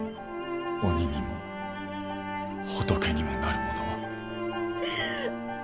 鬼にも仏にもなる者は。